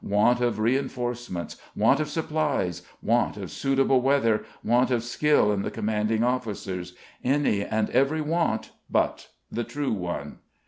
Want of reinforcements, want of supplies, want of suitable weather, want of skill in the commanding officers, any and every want but the true one.